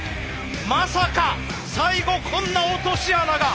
まさか最後こんな落とし穴が。